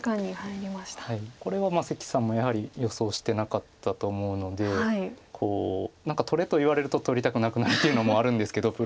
これは関さんもやはり予想してなかったと思うので何か取れと言われると取りたくなくなるっていうのもあるんですけど。